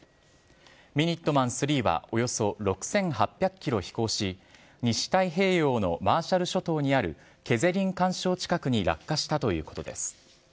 ミニットマン３はおよそ６８００ｋｍ飛行し西太平洋のマーシャル諸島にあるクェゼリン環礁近くに落下したということです。